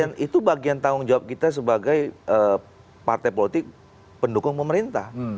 itu bagian tanggung jawab kita sebagai partai politik pendukung pemerintah